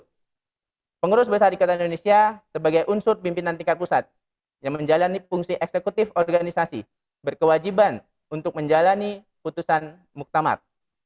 pertama pengurus besar ikatan indonesia sebagai unsur pimpinan tingkat pusat yang menjalani fungsi eksekutif organisasi berkewajiban untuk menjalani putusan muktamar